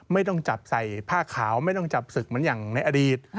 ไม่ต้องจับใส่ผ้าขาวไม่ต้องจับศึกเหมือนอย่างในอดีต